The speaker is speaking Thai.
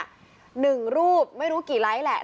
หนึ่งรูปไม่รู้กี่ไลค์แหละ